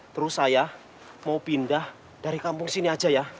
terus saya mau pindah dari kampung sini aja ya